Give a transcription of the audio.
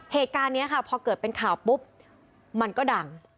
เหตุการณ์นี้ค่ะพอเกิดเป็นข่าวปุ๊บมันก็ดัง